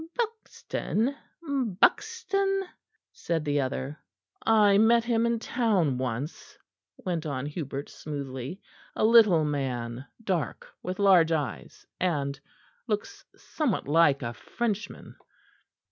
"Buxton, Buxton?" said the other. "I met him in town once," went on Hubert smoothly; "a little man, dark, with large eyes, and looks somewhat like a Frenchman."